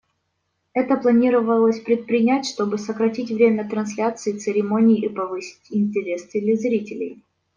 Это планировалось предпринять, чтобы сократить время трансляции церемонии и повысить интерес телезрителей.